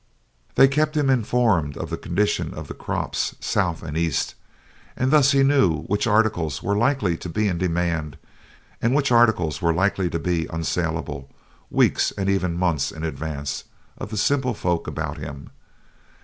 They kept him informed of the condition of the crops south and east, and thus he knew which articles were likely to be in demand and which articles were likely to be unsalable, weeks and even months in advance of the simple folk about him.